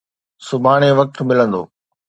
سڀاڻي وقت ملندو.